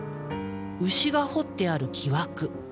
牛が彫ってある木枠。